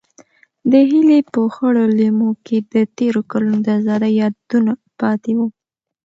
د هیلې په خړو لیمو کې د تېرو کلونو د ازادۍ یادونه پاتې وو.